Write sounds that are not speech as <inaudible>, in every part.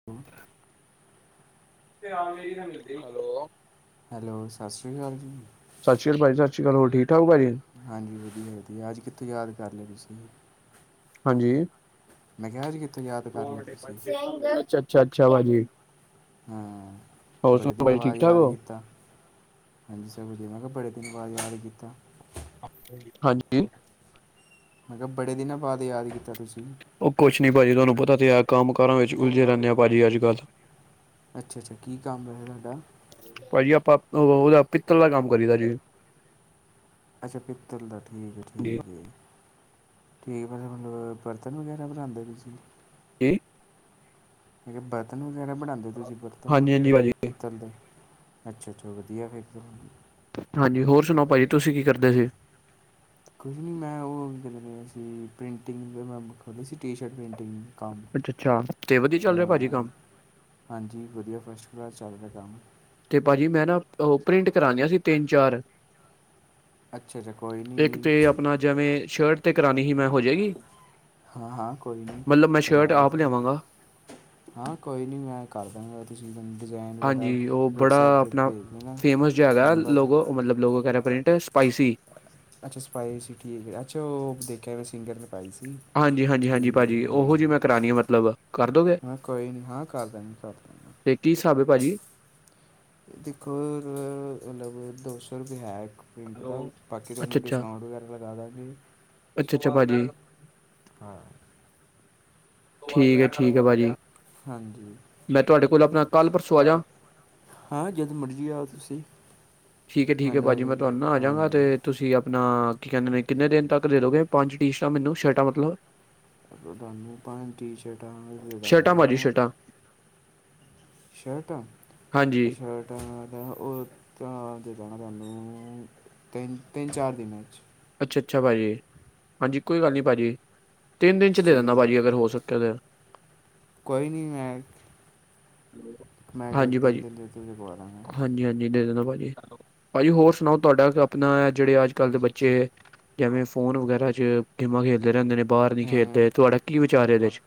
<inaudible> Hello. Hello ਸਤਿ ਸ਼੍ਰੀ ਅਕਾਲ ਜੀ। ਸਤਿ ਸ਼੍ਰੀ ਆਕਾਲ ਭਾਜੀ, ਸਤਿ ਸ਼੍ਰੀ ਅਕਾਲ ਹੋਰ, ਠੀਕ-ਠਾਕ ਹੋ ਭਾਜੀ? ਹਾਂਜੀ। ਵਧੀਆ- ਵਧੀਆ, ਅੱਜ ਕਿੱਥੋਂ ਯਾਦ ਕਰ ਲਏ ਤੁਸੀਂ? ਹਾਂਜੀ। ਮੈਂ ਕਿਹਾ ਅੱਜ ਕਿੱਥੋਂ ਯਾਦ ਕਰ ਲਿਆ ਤੁਸੀਂ ਅੱਛਾ- ਅੱਛਾ, ਅੱਛਾ, ਭਾਜੀ। ਹਾਂ ਹੋਰ ਬੜੇ ਸੁਣਾਓ ਦਿਨਾਂ ਭਾਜੀ ਠੀਕ ਬਾਅਦ ਠਾਕ ਯਾਦ ਹੋ ਕੀਤਾ। ਹਾਂਜੀ ਸਭ ਵਧੀਆ। ਮੈਂ ਕਿਹਾ ਬੜੇ ਦਿਨ ਬਾਅਦ ਯਾਦ ਕੀਤਾ। ਹਾਂਜੀ। ਮੈਂ ਕਿਹਾ ਬੜੇ ਦਿਨਾਂ ਬਾਅਦ ਯਾਦ ਕੀਤਾ ਤੁਸੀਂ। ਉਹ ਕੁਛ ਨਹੀਂ ਭਾਜੀ ਤੁਹਾਨੂੰ ਪਤਾ ਤੇ ਆ ਕੰਮ ਕਾਰਾਂ ਵਿੱਚ ਉਲਝੇ ਰਹਿਣੇ ਆ ਭਾਜੀ ਅੱਜ ਕੱਲ੍ਹ। ਅੱਛਾ ਅੱਛਾ ਕੀ ਕੰਮ ਰਿਹਾ ਤੁਹਾਡਾ। ਭਾਜੀ ਆਪਾਂ ਉਹਦਾ ਪਿੱਤਲ ਦਾ ਕੰਮ ਕਰੀਦਾ ਜੀ। ਅੱਛਾ ਪਿੱਤਲ ਦਾ ਠੀਕ ਹੈ, ਠੀਕ ਹੈ। ਠੀਕ ਹੈ ਮਤਲਬ ਬਰਤਨ ਵਗੈਰਾ ਬਣਾਦੇ ਤੁਸੀ ਕਿ ਬਰਤਨ ਵਗੈਰਾ, ਬਣਾਉਂਦੇ ਤੁਸੀਂ? ਬਰਤਨ ਹਾਂਜੀ ਭਾਜੀ ਪਿੱਤਲ ਦੇ। ਅੱਛਾ- ਅੱਛਾ, ਵਧੀਆ, ਫੇਰ ਤਾਂ। ਹਾਂਜੀ। ਹੋਰ ਸੁਣਾਓ ਭਾਜੀ, ਤੁਸੀਂ ਕੀ ਕਰਦੇ ਦੇ? ਕੁਝ ਨਹੀਂ, ਮੈਂ ਉਹ ਕ ਰਿਹਾ ਸੀ। ਪ੍ਰੇਂਟਿੰਗ ਮੈਂ ਖੋਲੀ ਸੀ। T shirt printing. ਅੱਛਾ- ਅੱਛਾ, ਤੇ ਵਧੀਆ, ਚੱਲ ਰਿਹਾ ਭਾਜੀ ਕੰਮ? ਹਾਂਜੀ। ਵਧੀਆ, ਫਸਟ ਕਲਾਸ ਚੱਲ ਰਿਹਾ ਕੰਮ। ਤੇ ਭਾਜੀ ਮੈਂ ਨਾ, ਉਹ ਪ੍ਰਿੰਟ ਕਰਾਣੀਆਂ ਸੀ। ਤਿੰਨ, ਚਾਰ। ਅੱਛਾ- ਅੱਛਾ, ਕੋਈ ਨਹੀਂ। ਇੱਕ ਤੇ ਆਪਣਾ, ਜਿਵੇਂ ਸ਼ਰਟ ਤੇ, ਕਰਾਉਣੀ ਹੀ ਮੈਂ। ਹੋ ਜਾਏਗੀ? ਹਾਂ- ਹਾਂ, ਕੋਈ ਨਾ, ਮਤਲਬ ਮੈਂ ਕਰਵਾ ਸ਼ਰਟ ਲਓ ਆਪ ਤੁਸੀਂ। ਲਿਆਵਾਂਗਾ ਹਾਂ। ਕੋਈ ਨੀ, ਮੈਂ ਕਰਦਾਂਗਾ। ਹਾਂਜੀ। ਉਹ ਬੜਾ 'ਤੇ ਆਪਣਾ, ਭੇਜ ਦੇਣਾ ਫੇਮਸ ਜਿਆ ਹੈਗਾ। ਨੰਬਰ 'ਤੇ ਲੋਗੋ, ਮਤਲਬ ਔ ਲੋਗੋਂ, ਕਹਿ ਰਹੇ ਪ੍ਰਿੰਟ। ਸਪਾਈਸੀ। ਅੱਛਾ। ਸਪਾਈ ਸੀ, ਠੀਕ ਹੈ। ਅੱਛਾ ਉਹ, ਦੇਖਿਆ ਮੈਂ, ਸਿੰਗਰ ਨੇ ਪਾਈ ਸੀ। ਹਾਂਜੀ- ਹਾਂਜੀ, ਠੀਕ ਹਾਂਜੀ, ਹੈ ਜੀ, ਭਾਜੀ ਹਾਂ ਉਹੋ ਜਿਹੀ, ਮੈਂ ਕਰਾਣੀ ਆ, ਮਤਲਬ ਕਰ ਦੋਗੇ। ਹਾਂ ਕੋਈ ਨਹੀਂ ਹਾਂ ਕਰ ਦਾਂਗੇ ਕਰ ਦਾਂਗੇ ਤੇ ਕੀ, ਹਿਸਾਬ ਹੈ, ਭਾਜੀ। ਦੇਖੋ ਮਤਲਬ, ਦੋ ਸੌ, ਰੁਪਇ ਹੈ ਇੱਕ। ਪਿ੍ਂਟ ਦਾ, ਬਾਕੀ ਅੱਛਾ ਤੁਹਾਨੂੰ ਅੱਛਾ ਡਿਸਕਊਂਟ ਵਗੈਰਾ ਲਗਾ ਦਾਂਗੇ। ਅੱਛਾ- ਅੱਛਾ, ਭਾਜੀ। ਹਾਂ। ਠੀਕ ਹੈ, ਠੀਕ ਹੈ, ਭਾਜੀ। ਹਾਂਜੀ। ਮੈਂ ਤੁਹਾਡੇ ਕੋਲ, ਆਪਣਾ ਕੱਲ, ਪਰਸੋਂ ਆ ਜਾਂ। ਹਾਂ। ਜਦ ਮਰਜ਼ੀ, ਆਓ ਤੁਸੀਂ। ਠੀਕ ਹੈ, ਠੀਕ ਹੈ, ਮੈਨੂੰ ਭਾਜੀ। ਮੈਂ ਇਹ ਤੁਹਾਨੂੰ ਆ ਜਾਵਾਂਗਾ ਹਾਂਜੀ ਤੇ ਤੁਸੀਂ। ਆਪਣਾ, ਕੀ ਕਹਿੰਦੇ ਨੇ, ਕਿੰਨੇ ਦਿਨ ਤੱਕ ਦੇ ਦੋਗੇ। ਪੰਜ ਟੀਸ਼ਟਾਂ, ਮੈਨੂੰ ਸ਼ਰਟਾਂ ਮਤਲਬ। ਮਤਲਬ ਤੁਹਾਨੂੰ, ਪੰਜ ਟੀ ਸ਼ਰਟਾਂ, ਦੇ ਸ਼ਰਟਾਂ ਭਾਜੀ ਦਾਂਗਾ। ਸ਼ਰਟਾਂ ਸ਼ਰਟਾ, ਹਾਂਜੀ ਸ਼ਰਟ ਉਹ ਜਾਣਾ ਤੁਹਾਨੂੰ ਤਿੰਨ। ਤਿੰਨ, ਚਾਰ ਦਿਨਾਂ ਚ। ਅੱਛਾ- ਅੱਛਾ, ਭਾਜੀ। ਹਾਂਜੀ, ਕੋਈ ਗੱਲ ਨਹੀਂ ਭਾਅ ਜੀ। ਤਿੰਨ ਦਿਨ ਚ, ਦੇ, ਠੀਕ ਦੇਣਾ ਹੈ ਭਾਜੀ, ਅਗਰ ਹੋ ਸਕਿਆ ਤਾਂ। ਕੋਈ, ਨਹੀਂ ਹੈੈਂ। ਹ <inaudible> ਮੈਂ ਕਿਹਾ, ਤਿਨ, ਦਿਨ ਦੇ ਵਿੱਚ- ਵਿੱਚ ਕਰਵਾ ਦਾਂਗਾ। ਹਾਂਜੀ- ਹਾਂਜੀ, ਦੇ ਦੇਂਦਾ ਭਾਜੀ। ਭਾਜੀ ਹੋਰ ਸੁਣਾਓ, ਤੁਹਾਡਾ ਆਪਣਾ, ਜਿਹੜੇ ਅੱਜ ਕੱਲ ਦੇ ਬੱਚੇ। ਜਿਵੇਂ ਫੋਨ ਵਗੈਰਾ ਚ, ਗੇਮਾਂ ਖੇਡਦੇ ਰਹਿੰਦੇ ਨੇ। ਬਾਹਰ ਨਹੀਂ ਹਾਂ ਖੇਡਦੇ। ਤੁਹਾਡਾ ਕੀ ਵਿਚਾਰ ਹੈ ਇਹਦੇ ਚ।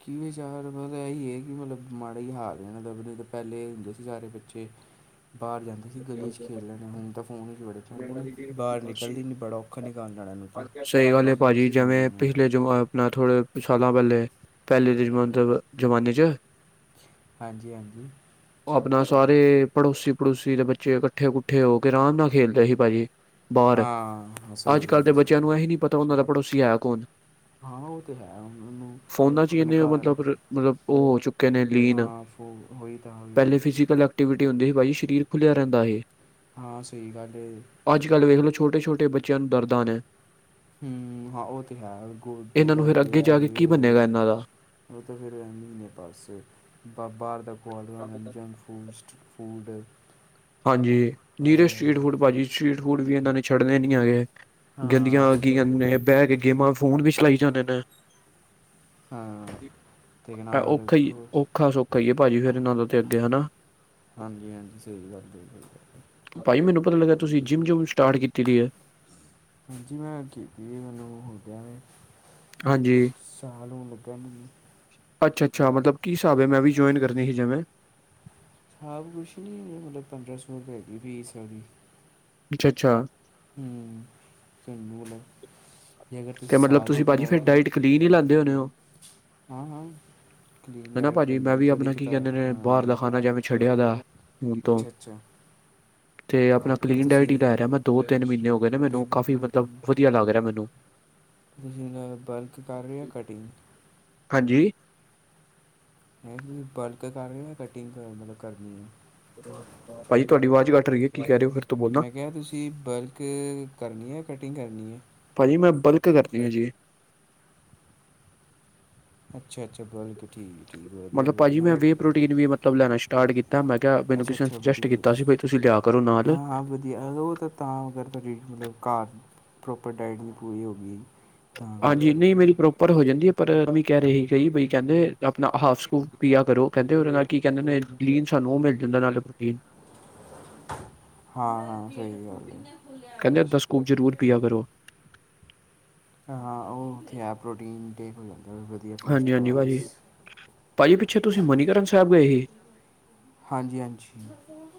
ਕੀ ਵਿਚਕਾਰ ਪਤਾ ਹੈ, ਹੀ ਹੈ ਕਿ ਮਤਲਬ ਮਾੜਾ ਹੀ ਹਾਰ ਜਾਣ ਦੱਬਦੇ ਤਾਂ ਪਹਿਲੇ ਹੁੰਦੇ ਸੀ ਸਾਰੇ ਬੱਚੇ ਬਾਹਰ ਜਾਂਦਾ, ਅਸੀਂ ਗਲੀ ਖੇਡ ਲੈਂ ਹੁਣ ਤਾਂ ਫੋਨ ਬੜੇ ਹੁੰਦੇ ਨੇ, ਬਾਹਰ ਨਿਕਲਦੀ ਬੜਾ ਔਖਾ ਨਾ ਗਾਲ ਲੇਣ ਨੂੰ ਤਾਂ, ਸਹੀ ਗੱਲ ਐ, ਭਾਜੀ ਹੂੰ ਜਿਵੇਂ ਪਿਛਲੇ ਜਮਾ, ਆਪਨਾ ਥੋੜੇ ਸਾਲਾ ਪਹਿਲੇ, ਪਹਿਲੇ ਦੇ ਮਤਲਬ ਜ਼ਮਾਨੇ ਚ। ਹਾਂਜੀ, ਹਾਂਜੀ। ਆਪਣਾ ਸਾਰੇ, ਪੜੋਸੀ ਪੁਛ। ਦੇ ਬੱਚੇ ਇਕੱਠੇ- ਕੁੱਠੇ, ਹੋ ਕੇ, ਆਰਾਮ ਨਾਲ ਖੇਲਦੇ ਸੀ ਭਾਜੀ। ਬਾਹਰ ਹਾਂ ਸਹੀ ਅੱਜ ਕੱਲ, ਦੇ ਗੱਲ ਸਹੀ ਬੱਚਿਆਂ ਗੱਲ ਨੂੰ ਇਹਹੀ ਨਹੀਂ, ਪਤਾ ਹੁੰਦਾ। ਉਹਨਾਂ ਦਾ ਪੜੋਸੀ ਹੈ, ਕੌਣ। ਹਾਂ। ਉਹ ਤਾਂ ਹੈ। ਉਹਨਾਂ ਨੂੰ ਫੋਨਾਂ 'ਚ ਹੀ ਆਪਣੇ ਇੰਨੇ ਘਰ। ਮਤਲਬ ਮਤਲਬ, ਉਹ ਹੋ ਚੁੱਕੇ ਨੇ ਲੀਨ। ਹਾਂ ਫੋ ਹੋਈ ਤਾਂ ਹੋਈ ਤਾਂ ਪਹਿਲੇ ਫਿਜ਼ੀਕਲ। ਐਕਟੀਵਿਟੀ ਹੁੰਦੀ ਸੀ, ਭਾਜੀ। ਸਰੀਰ ਖੋਲਿਆ ਰਹਿੰਦਾ ਹੈ। ਹਾਂ। ਸਹੀ ਗੱਲ ਹੈ। ਅੱਜ ਕੱਲ ਵੇਖ ਲੋ, ਛੋਟੇ- ਛੋਟੇ ਬੱਚਿਆਂ ਨੂੰ, ਦਰਦਾਂ ਹੈ। ਹੂੰ, ਹਾਂ ਉਹ ਤਿਉਹਾਰ ਗੋਦੇ ਇਹਨਾਂ ਨੂੰ ਫਿਰ ਦਰਦੇ ਅੱਗੇ ਜਾ ਕੇ ਕੀ ਬਣੇਗਾ ਐ। ਇਹਨਾਂ ਦਾ ਉਹ ਤਾਂ ਫਿਰ ਮਹੀਨੇ ਪਾਸੇ ਬਾਹਰ ਦਾ ਜੰਕ ਫਾਸਟ-ਫੂਸਟ, ਫੂਡ, ਹਾਂਜੀ ਨੀਰੇ ਸਟਰੀਟ ਹਾਂ ਫੂਡ ਭਾਜੀ ਸਟਰੀਟ ਫੂਡ ਵੀ ਇਹਨਾਂ ਨੇ ਛੱਡਣੇ ਨੀ ਹੈਗੇ। ਗੰਦੀਆਂ ਹਾਂ ਆ ਗਈ, ਜਾਂ ਰੋਟੀ ਨੇ ਬਹਿ ਕੇ ਗੇਮਾਂ ਫੋਨ ਵੀ ਚਲਾਈ ਜਾਂਦੇ ਨੇ। <unintelligible> ਅੱਖਾ ਸੁੱਖ ਹੈਏ ਭਾਜੀ ਫੇਰ ਇਹਨਾਂ ਦੇ ਤੇ ਅੱਗੇ ਹਨਾ। ਹਾਂਜੀ-ਹਾਂਜੀ, ਸਹੀ ਗੱਲ ਜੇ ਕੋਈ ਗੱਲ ਭਾਈ ਮੈਨੂੰ ਪਤਾ ਲੱਗਾ, ਤੁਸੀਂ ਜਿੰਮ ਜਿੰਮ ਸਟਾਰਟ ਕੀਤੀ ਦੀ ਹੈ। ਹਾਂਜੀ ਮੈਂ ਕੀਤੀ ਮੈਨੂੰ ਹੋ ਗਿਆਵੇ। ਹਾਂਜੀ, ਸਾਲ ਹੋਣ ਲੱਗਣ ਨੂੰ, ਅੱਛਾ-ਅੱਛਾ ਮਤਲਬ ਕੀ ਹਿਸਾਬ ਹੈ, ਮੈਂ ਵੀ ਜੁਆਇਨ ਕਰਨੀ ਸੀ ਜਿਵੇਂ ਖ਼ਬ ਕੁਛ ਨਹੀਂ ਮਤਲਬ ਪੰਦਰਾਂ ਸੌ ਰਪਏਗੀ ਫੀਸਡੀ, ਅੱਛਾ-ਅੱਛਾ, ਹੂੰ, <unintelligible> ਜੇ ਅਗਰ ਤੇ ਤੁਸੀਂ ਮਤਲਬ ਸਾਲ ਦੀ ਭਾਜੀ ਫਿਰ ਕਰਾਗੇ ਡਾਇਟ ਕਲੀਨ ਹੀ ਲੈਂਦੇ ਹੋਣੇ ਹੋ ਹਾਂ ਹਾਂ, ਕਲੀਨ ਹਨਾ ਡਾਈਟ ਭਾਜੀ ਕਹਦੇ ਮੈਂ ਐ ਵੀ ਕਦੇ ਆਪਣਾ ਕਿ ਕੀ <unintelligible> ਕਹਿੰਦੇ ਨੇ ਬਾਹਰ ਦਾ ਖਾਣਾ ਜਿਵੇਂ ਛੱਡਿਆ ਦਾ ਹੁਣ ਤੋਂ ਅੱਛਾ-ਅੱਛਾ, <unintelligible> ਤੇ ਆਪਣਾ ਕਲੀਨ ਡਾਇਟ ਹੀ ਲੈ ਰਿਹਾ ਮੈਂ ਦੋ ਤਿੰਨ ਮਹੀਨੇ ਹੋ ਗਏ, ਨੇ ਮੈਨੂੰ ਕਾਫੀ ਮਤਲਬ ਵਧੀਆ ਲੱਗ ਰਿਹਾ ਮੈਨੂੰ ਤੁਸੀਂ ਵਰਕ ਕਰ ਰਹੇ ਹੋ ਕਟਿੰਗ, ਹਾਂਜੀ, ਹੈ ਬਲਕ ਕਰ ਰਹੇ ਕਟਿੰਗ ਮਤਲਬ ਕਰਨੀ ਹੈ। ਭਾਜੀ, ਤੁਹਾਡੀ ਆਵਾਜ਼ ਘੱਟ ਰਹੀ ਹੈ, ਕੀ ਕਹਿ ਰਹੇ ਹੋ ਫਿਰ ਤੋਂ ਬੋਲਣਾ ਮੈਂ ਕਿਹਾ ਤੁਸੀਂ ਬਲਕ ਕਰਨੀ ਹੈ, ਕਟਿੰਗ ਕਰਨੀ ਹੈ। ਭਾਜੀ ਮੈਂ ਬਲਕ ਕਰਦੀ ਹਾਂ ਜੀ, ਅੱਛਾ-ਅੱਛਾ ਵਲਕ ਠੀਕ, ਠੀਕ ਵਧੀਆ ਮਤਲਬ ਭਾਜੀ ਵਧੀਆ ਮੈਂ ਵੇ ਪ੍ਰੋਟੀਨ ਵੀ ਮਤਲਬ ਲੈਣਾ ਸਟਾਰਟ ਕੀਤਾ, ਮੈਂ ਕਿਹਾ ਮੈਨੂੰ ਅੱਛਾ ਕਿਸੇ ਨੇ ਅੱਛਾ ਸੁਜੈਸਟ ਵਧੀਆ ਕੀਤਾ। ਤਾ ਸੀ ਬਈ ਤੁਸੀਂ ਲਿਆ ਕਰੋ ਨਾਲ, ਅਤੇ ਉਹ ਤਾਂ, ਤਾਂ ਅਗਰ ਤੁਹਾਡੀ ਮਤਲਬ ਘਰ ਪ੍ਰੋਪਰ ਡਾਇਟ ਨਹੀਂ ਪੂਰੀ ਹੋਗੀ। ਹਾਂਜੀ, ਨਹੀਂ ਮੇਰੀ ਪ੍ਰੋਪ ਪਰ ਹੋ ਜਾਂਦੀ ਹੈ, ਪਰ ਕਹਿ ਰਹੀ ਬਈ ਕਹਿੰਦੇ ਆਪਣਾ ਹਾਫ ਸੂਪ ਪੀਆ ਕਰੋ, ਕਹਿੰਦੇ ਉਹਦੇ ਨਾਲ ਕੀ ਕਹਿੰਦੇ। ਕਲੀਨ ਸਾਨੂੰ ਇਹ ਮਿਲ ਜਾਂਦਾ ਨਾਲੇ ਪ੍ਰੋਟੀਨ, ਹਾਂ, ਹਾਂ ਸਹੀ ਗੱਲ। ਕ ਦਸਕੂ ਜ਼ਰੂਰ ਪਿਆ ਕਰੋ। ਹਾਂ ਉਹ ਥਿਆ ਪ੍ਰੋਟੀਨ ਦੇ ਹੋ ਜਾਂਦਾ ਵਧੀਆ ਹਾਂਜੀ ਫਸਟ ਹਾਂਜੀ ਭਾਜੀ ਕਲਾਸ ਭਾਜੀ ਪਿੱਛੇ ਤੁਸੀਂ ਮਨੀਕਰਨ ਸਾਹਿਬ ਗਏ ਸੀ। ਹਾਂਜੀ ਹਾਂਜੀ।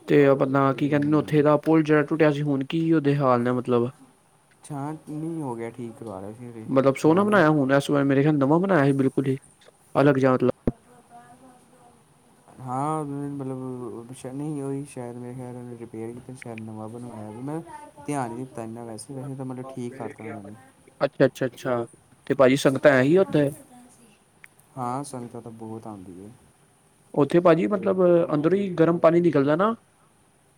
ਤੇ ਆਪਣਾ ਕੀ ਕਹਿੰਦੇ ਨੇ ਉੱਥੇ ਹੂੰ ਦਾ ਪੁਲ ਜਿਹੜਾ ਟੁੱਟਿਆ ਸੀ ਹੁਣ ਕੀ ਉਹਦੇ ਹਾਲ ਨੇ ਮਤਲਬ ਛਾ ਨਹੀਂ ਹੋ ਗਿਆ, ਠੀਕ ਕਰਵਾ ਲਿਆ ਸੀਰੇ ਮਤਲਬ ਸੋਹਣਾ ਉਹਨਾਂ ਨੇ, ਬਣਾਇਆ ਹੁਣ ਇਸ ਮੇਰੇ ਖਿਆਲ ਨਵਾ ਬਣਾਇਆ ਸੀ, ਬਿਲਕੁਲ ਹੀ ਅਲਗ ਜਾ ਮਤਲਬ <unintelligible> <unintelligible> ਹਾਂ ਮਤਲਬ ਪਛਾ ਨਹੀਂ ਉਹ ਈ ਸ਼ਾਇਦ ਮਰੇ ਖਿਆਰੇ ਰਿਪੇਅਰ ਕੀਤਾ, ਸ਼ਾਇਦ ਨਵਾਂ ਬਣਇਆਆ ਮੈਂ ਧਿਆਨ ਹੀ ਦਿੱਤਾ, ਇੰਨਾ ਵੈਸੇ ਵੈਸੇ ਤਾਂ ਮਤਲਬ ਠੀਕ ਕਰਤਾ ਉਹਨਾਂ ਨੇ ਅੱਛਾ, ਅੱਛਾ, ਅੱਛਾ, ਤੇ ਭਾਜੀ ਸੰਗਤਾਂ ਹੈ ਹੀ ਉੱਥੇ ਹਾਂ ਸੰਗਤਾਂ ਤਾਂ ਬਹੁਤ ਆਉਂਦੀ ਹੈ। ਉੱਥੇ ਭਾਜੀ ਮਤਲਬ, ਅੰਦਰੋਂ ਹੀ ਗਰਮ ਪਾਣੀ ਨਿਕਲਦਾ ਨਾ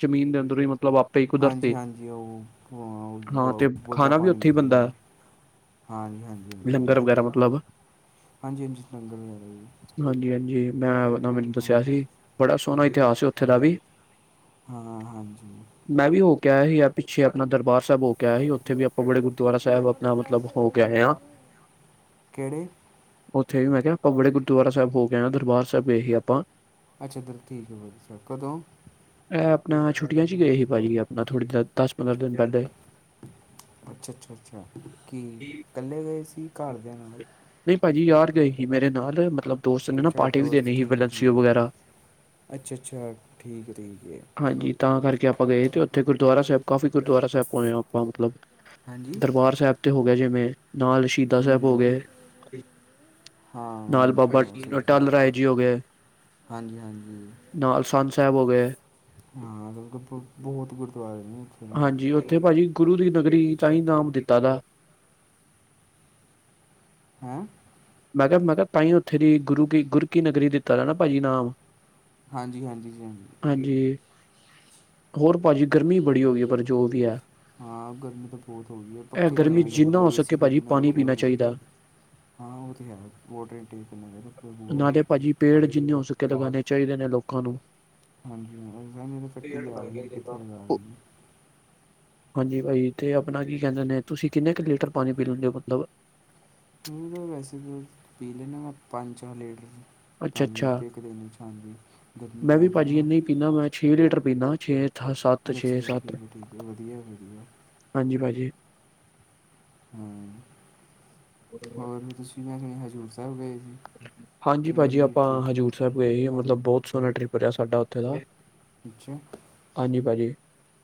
ਜਮੀਨ ਦੇ ਅੰਦਰੋਂ ਹੀ ਮਤਲਬ ਆਪ ਹਾਂਜੀ, ਹਾਂਜੀ ਉਹ ਉਬ ਹਾਂ ਤੇ ਓਬਲਦਾ ਖਾਣਾ ਵੀ ਪਾਣੀ ਉੱਥੇ ਹੀ ਨਿਕਲਦਾ ਬਣਦਾ ਜਿਆਦਾ। ਹਾਂਜੀ ਹਾਂਜੀ ਹਾਂਜੀ ਲੰਗਰ ਵਗੈਰਾ ਮਤਲਬ ਹਾਂਜੀ ਹਾਂਜੀ ਲੰਗਰ ਲਾਇਆ ਸੀ। ਹਾਂਜੀ ਹਾਂਜੀ ਮੈਂ ਉਹਨਾਂ ਮੈਨੂੰ ਦੱਸਿਆ ਸੀ ਬੜਾ ਸੋਹਣਾ ਇਤਿਹਾਸ ਸੀ ਉੱਥੇ ਦਾ ਵੀ। ਹਾਂ ਹਾਂਜੀ। ਮੈਂ ਵੀ ਹੋ ਕੇ ਆਇਆ ਸੀ ਯਾਰ ਪਿੱਛੇ ਆਪਣਾ ਦਰਬਾਰ ਸਾਹਿਬ ਹੋ ਕੇ ਆਇਆ ਸੀ ਉੱਥੇ ਵੀ ਉਹ ਬੜੇ ਗੁਰਦੁਆਰਾ ਸਾਹਿਬ ਆਪਣਾ ਮਤਲਬ ਹੋ ਕੇ ਆਏ ਆ। ਕਿਹੜੇ ਉੱਥੇ ਵੀ ਮੈਂ ਕਿਹਾ ਆਪਾਂ ਬੜੇ ਗੁਰਦੁਆਰਾ ਸਾਹਿਬ ਹੋ ਕੇ ਆਏ ਆ। ਦਰਬਾਰ ਸਾਹਿਬ ਗਏ ਸੀ ਆਪਾਂ। ਅੱਛਾ ਜੀ ਠੀਕ ਹੈ <unintelligible> ਕਦੋਂ। ਇਹ ਆਪਣਾ ਛੁੱਟੀਆਂ ਚ ਹੀ ਗਏ ਸੀ ਭਾਜੀ ਆਪਣਾ ਥੋੜ੍ਹੀ ਦਸ ਪੰਦਰਾਂ ਦਿਨ। ਲਗ ਗਏ। ਅੱਛਾ, ਅੱਛਾ, ਅੱਛਾ ਕੀ ਇਕੱਲੇ ਗਏ ਸੀ ਘਰਦਿਆਂ ਨਾਲੇ। ਨਹੀਂ ਭਾਜੀ ਯਾਰ ਗਏ ਸੀ ਮੇਰੇ ਨਾਲ ਮਤਲਬ ਦੋਸਤ ਨੇ ਨਾ ਅੱਛਾ ਪਾਰਟੀ ਦੋਸਤ ਦੇਣੀ ਸੀ ਠੀਕ ਹੈ ਵਲੈਂਸੀਓ ਠੀਕ ਹੈ ਵਗੈਰਾ। ਅੱਛਾ ਅੱਛਾ ਠੀਕ ਹੈ ਠੀਕ ਹੈ। ਹਾਂਜੀ ਤਾਂ ਕਰਕੇ ਆਪਾਂ ਗਏ ਤੇ ਉੱਥੇ ਗੁਰਦੁਆਰਾ ਸਾਹਿਬ ਕਾਫੀ ਗੁਰਦੁਆਰਾ ਸਾਹਿਬ ਹੋਏ ਹਾਂ ਆਪਾਂ ਮਤਲਬ। ਹਾਂਜੀ ਦਰਬਾਰ ਸਾਹਿਬ ਤੇ ਹੋ ਗਿਆ ਜਿਵੇਂ ਨਾਲ ਸ਼ਹੀਦਾ ਸਾਹਿਬ ਹੋ ਹੂੰ ਗਏ ਹਾਂ ਨਾਲ ਉਹ ਬਾਬਾ ਤਾਂ ਸਹੀ ਗੱਲ ਅਟੱਲ ਹੈ ਰਾਏ ਜੀ ਹੋ ਗਏ ਹਾਂਜੀ ਹਾਂਜੀ ਨਾ ਸਨ ਸਾਹਿਬ ਹੋ ਗਏ। ਹਾਂ ਬਹੁਤ ਗੁਰਦੁਆਰੇ ਨੇ ਉਥੇ ਤਾਂ। ਹਾਂਜੀ ਉੱਥੇ ਭਾਜੀ ਗੁਰੂ ਦੀ ਨਗਰੀ ਤਾਂ ਹੀ ਨਾਮ ਦਿੱਤਾ ਦਾ। ਹੈ। ਮੈਂ ਕਿਹਾ ਮੈਂ ਕਿਹਾ ਤਹੀ ਉੱਥੇ ਦੀ ਗੁਰੂ ਕੀ ਗੁਰ ਕੀ ਨਗਰੀ ਦਿੱਤਾ ਨਾ ਭਾਜੀ ਨਾਮ। ਹਾਂਜੀ ਹਾਂਜੀ ਜੀ ਹਾਂਜੀ। ਹਾਂਜੀ ਹੋਰ ਭਾਜੀ ਗਰਮੀ ਬੜੀ ਹੋ ਗਈ ਹੈ ਪਰ ਜੋ ਵੀ ਹੈ। ਹਾਂ ਗਰਮੀ ਤਾਂ ਬਹੁਤ ਹੋ ਗਈ ਹੈ ਇਹ ਪੱਖੇ ਦੀ ਗਰਮੀ ਹਵਾ 'ਚ ਜਿੰਨਾ ਹੋ ਲੱਗਦੀ ਸਕੇ ਏਸੀ ਤੋਂ ਭਾਜੀ ਬਿਨਾਂ ਪਾਣੀ ਰੁਕਿਆ ਨਹੀਂ ਪੀਣਾ ਜਾਂਦਾ ਚਾਹੀਦਾ ਹਾਂ ਉਹ ਤਾਂ ਹੈ ਬੋਤ <unintelligible> ਨਾਲ ਭਾਜੀ ਪੇੜ ਜਿੰਨੇ ਹੋ ਸਕੇ ਲਗਾਉਣੇ ਚਾਹੀਦੇ ਨੇ ਲੋਕਾਂ ਨੂੰ। ਹਾਂਜੀ ਓ ਤਾ ਕੱਟੀ ਜਾ ਰਹੇ ਨੇ ਕਿੱਥੇ ਲਗਾ ਰਹੇ ਨੇ। ਹਾਂਜੀ ਭਾਜੀ ਤੇ ਆਪਣਾ ਕੀ ਕਹਿੰਦੇ ਨੇ ਤੁਸੀਂ ਕਿੰਨੇ ਕੁ ਲੀਟਰ ਪਾਣੀ ਪੀ ਲੈਂਦੇ ਹੋ ਮਤਲਬ। ਤਾਂ ਵੈਸੇ ਤਾਂ ਪੀ ਲੈਂਦਾ ਮੈਂ ਪੰਜ-ਚਾਰ ਲੀਟਰ ਅੱਛਾ ਪਾਣੀ ਅੱਛਾ ਦਿੱਤੇ ਇੱਕ ਦਿਨ 'ਚ। ਹਾਂਜੀ। ਗਰਮੀ ਮੈਂ ਵੀ ਬਹੁਤ ਹੈ ਭਾਜੀ ਨਾ ਇੰਨਾ ਹੀ ਪੀਂਨਾ ਮੈਂ ਛੇ ਲੀਟਰ ਪੀਦਾ ਛੇ ਸੱਤ ਅਛਾ ਛੇ ਜੀ ਠੀਕ ਸੱਤ ਹੈ ਠੀਕ ਹੈ ਵਧੀਆ ਵਧੀਆ। ਹਾਂਜੀ ਭਾਜੀ। ਹਾਂ ਹੋਰ ਤੁਸੀਂ ਮੈਂ ਸੁਣਿਆ ਹਜ਼ੂਰ ਸਾਹਿਬ ਗਏ ਸੀ। ਹਾਂਜੀ ਕਿਵੇਂ ਭਾਜੀ ਦੀ ਆਪਾਂ ਟ੍ਰਿਪ ਹਜ਼ੂਰ ਸਾਹਿਬ ਗਏ ਸੀ ਮਤਲਬ ਬਹੁਤ ਸੋਹਣਾ ਟਰਿਪ ਰਿਹਾ ਸਾਡਾ ਉੱਥੇ ਦਾ। ਅੱਛਾ ਹਾਂਜੀ ਭਾਜੀ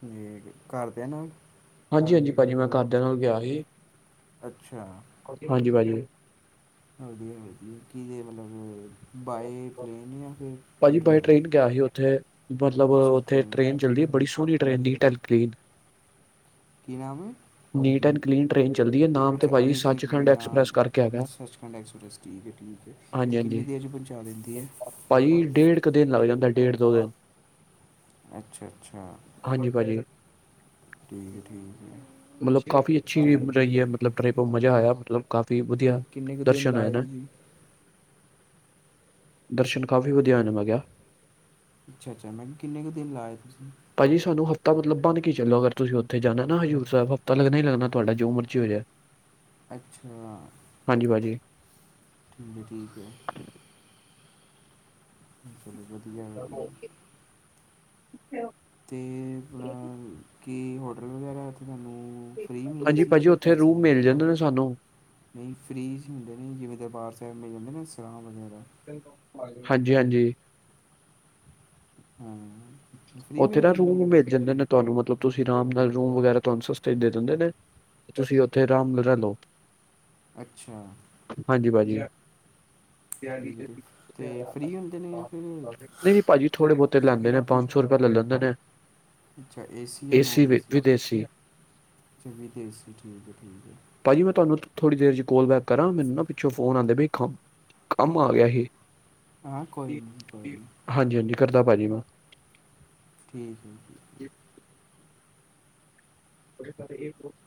ਜੀ ਘਰਦਿਆਂ ਨਾਲ। ਹਾਂਜੀ ਹਾਂਜੀ ਭਾਜੀ ਮੈਂ ਘਰਦਿਆਂ ਨਾਲ ਗਿਆ ਸੀ। ਅੱਛਾ। ਹਾਂਜੀ ਭਾਜੀ। ਵਧੀਆ ਵਧੀਆ ਕੀਤੇ ਮਤਲਬ ਬਾਏਪਲੇਨ ਜਾਂ ਫਿਰ ਬਾਏ ਟ੍ਰੇਨ ਗਿਆ ਸੀ ਉੱਥੇ ਮਤਲਬ ਉੱਥੇ ਟ੍ਰੇਨ ਚੱਲਦੀ ਬੜੀ ਸੋਹਣੀ ਟ੍ਰੇਨ ਨੀਟ ਐਂਡ ਕਲੀਨ। ਕੀ ਨਾਮ। ਨੀਟ ਐਂਡ ਕਲੀਨ ਟ੍ਰੇਨ ਚੱਲਦੀ ਹੈ ਨਾਮ ਤੇ ਭਾਜੀ ਨੀਟ ਐਂਡ ਕਲੀਨ ਸੱਚਖੰਡ ਨਾਮ ਐਕਸਪ੍ਰੈਸ ਕਰਕੇ ਏ ਹੈਗਾ ਸੱਚਖੰਡ ਐਕਸਪ੍ਰੈਸ ਠੀਕ ਏ ਠੀਕ ਏ। ਹਾਂਜੀ ਤੇ ਕਿੰਨੀ ਹਾਂਜੀ ਦੇਰ ਚ ਪਹੁੰਚਾ ਦਿੰਦੀ ਹੈ। ਭਾਜੀ ਡੇਢ ਕੁ ਦਿਨ ਲੱਗ ਜਾਂਦਾ ਡੇਢ ਦੋ ਦਿਨ। ਅੱਛਾ ਅੱਛਾ। ਹਾਂਜੀ ਭਾਜੀ ਦੇੀ ਗ ਤੇੀ ਜ। ਮਤਲਬ ਕਾਫੀ ਅੱਛੀ ਰਹੀ ਹੈ ਮਤਲਬ ਟਰਿਪ ਮਜ਼ਾ ਆਇਆ ਮਤਲਬ ਕਾਫੀ ਅਤੇ ਵਧੀਆ ਕਿੰਨੇ ਕੁ ਦਿਨ ਦਰਸ਼ਨ ਆ ਲਾਏ ਨਾ। ਤੁਸੀਂ ਦਰਸ਼ਨ ਕਾਫ਼ੀ ਵਧੀਆ ਨੇ ਮੈਂ ਕਿਹਾ ਕਿਹਾ। ਅੱਛਾ ਅੱਛਾ ਮੈ ਕਿਹਾ ਕਿੰਨ ਕੁ ਦਿਨ ਲਾਏ ਤੁਸੀਂ? ਭਾਜੀ ਸਾਨੂੰ ਹਫ਼ਤਾ ਮਤਲਬ ਬਣ ਕੇ ਚੱਲੋ ਅਗਰ ਤੁਸੀਂ ਉੱਥੇ ਜਾਣਾ ਨਾ ਹੇ ਸ ਹਫ਼ਤਾ ਲੱਗ ਹੀ ਲੱਗਣਾ ਤੁਹਾਡਾ ਜੋ ਮਰਜ਼ੀ ਹੋ ਜਾਹਾ। ਅੱਛਾ। ਹਾਂਜੀ ਭਾਅਜੀ। ਮੇਰਾ ਕੀ ਹੈ। ਚਲੋ ਵਧੀਆ ਵਧੀਆ। ਅੱਛਾ। ਅਤੇ ਆਪਣਾ ਕੀ ਹੋਟਲ ਵਗੈਰਾ ਅਤੇ ਤੁਹਾਨੂੰ ਫਰੀ ਮਿਲੇ ਹਾਂਜੀ ਸੀ ਜਾਂ ਭਾਜੀ ਫਿਰ ਉੱਥੇ ਪੈਸੇ ਰੂਮ ਮਿਲ ਜਾਂਦੇ ਨੇ ਸਾਨੂੰ ਨਹੀਂ ਫਰੀਜ਼ਚ ਹੁੰਦੇ ਨਹੀਂ ਜਿਵੇਂ ਦਰਬਾਰ ਸਾਹਿਬ ਮਿਲ ਜਾਂਦੇ ਨਾ ਸਰਾਂ ਵਗੈਰਾ। ਹਾਂਜੀ ਹਾਂਜੀ। <unintelligible> ਉੱਥੇ ਮਿਲ ਨਾ ਜਾਂਦੇ ਰੂਮ ਨੇ ਮਿਲ ਜਾਂਦੇ ਨੇ ਤੁਹਾਨੂੰ ਮਤਲਬ ਤੁਸੀਂ ਆਰਾਮ ਨਾਲ ਰੂਮ ਵਗੈਰਾ ਤੁਹਾਨੂੰ ਸਸਤੇ ਦੇ ਦਿੰਦੇ ਨੇ। ਤੁਸੀਂ ਉੱਥੇ ਰਾਮ ਲਲਾ ਲਓ। ਅੱਛਾ। ਹਾਂਜੀ ਭਾਜੀ। ਠੀਕ ਹੈ ਅਤੇ ਫਰੀ ਹੁੰਦੇ ਨੇ ਜਾਂ ਫਿਰ ਨਹੀਂ ਨਹੀਂ ਭਾਜੀ ਥੋੜੇ ਬਹੁਤੇ ਲੈਂਦੇ ਨੇ ਪੰਜ ਸੌ ਰੁਪਇਆ ਲੈ ਲੈਂਦੇ ਨੇ। ਅੱਛਾ ਏ ਸੀ ਜਾਂ ਨਾਨ ਏਸੀ ਏ ਸੀ ਵਿਦੇਸੀ ਅੱਛਾ ਵਿੱਥ ਏ ਸੀ ਠੀਕ ਹੈ ਠੀਕ ਹੈ। ਭਾਜੀ ਮੈਂ ਤੂੰਹਾਨੂੰ ਥੋੜ੍ਹੀਰ ਚ ਕੋਾਲ ਬੈਕ ਕਰਾਂ ਮੈਨੂੰ ਨਾ ਪਿੱਛੋਂ ਫੋਨ ਆਉਂਦੇ ਵੇਖਾਂ। ਕੰਮ ਆ ਗਿਆ ਸੀ। ਹਾਂ ਕੋਈ ਨਹੀਂ ਕੋਈ ਨਹੀਂ। ਹਾਂਜੀ ਹਾਂਜੀ ਕਰਦਾ ਭਾਅ ਜੀ ਮੈਂ। ਠੀਕ ਹੈ ਜੀ। ਤਾਂ ਇਹ <unintelligible>